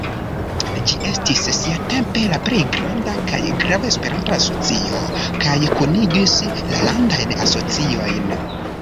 Ĝi estis siatempe la plej granda kaj grava Esperanto-asocio, kaj kunigis la Landajn Asociojn.